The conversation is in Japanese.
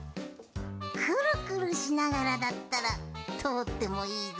くるくるしながらだったらとおってもいいぞ。